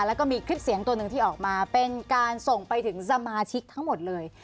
แล้วก็มีคลิปเสียงตัวหนึ่งที่ออกมาเป็นการส่งไปถึงสมาชิกทั้งหมดเลย